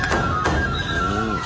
うん。